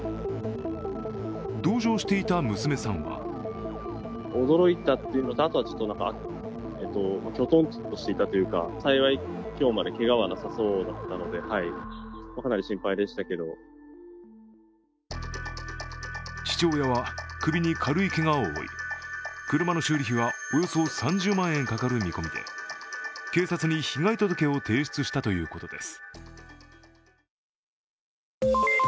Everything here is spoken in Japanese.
同乗していた娘さんは父親は首に軽いけがを負い車の修理費はおよそ３０万円かかる見込みで警察に被害届を提出したということです。